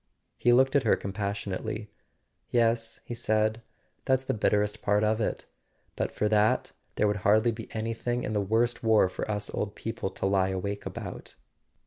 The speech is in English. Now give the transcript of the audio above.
He looked at her compassionately. "Yes," he said, "that's the bitterest part of it. But for that, there would hardly be anything in the worst war for us old people to lie awake about."